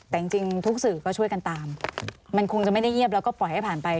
แต่จริงทุกสื่อก็ช่วยกันตามมันคงจะไม่ได้เงียบแล้วก็ปล่อยให้ผ่านไป